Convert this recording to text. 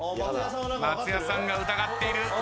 松也さんが疑っている。